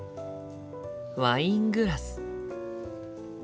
ワイングラス。